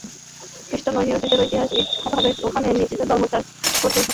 খ্রিস্টান এবং ইহুদিরা ঐতিহাসিকভাবে ওমানে তাদের নিজস্ব ধর্মের চর্চা করতে সক্ষম হয়েছিল।